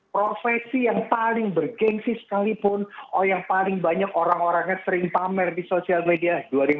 profesi yang paling bergensi sekalipun oh yang paling banyak orang orangnya sering pamer di sosial media